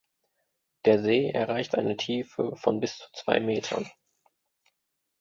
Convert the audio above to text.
Der See erreicht eine Tiefe von bis zu zwei Metern.